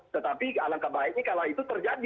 tetapi alangkah baiknya kalau itu terjadi